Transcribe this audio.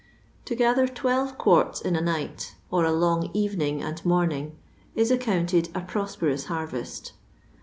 To gather 12 quarts in a night» or a long evening and morning, is accounted a pros perous harvest.